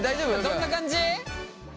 どんな感じ？